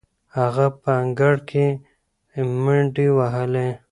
هغه په انګړ کې منډې وهلې.